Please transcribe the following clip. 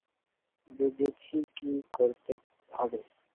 বুঝেছি কী করতে হবে।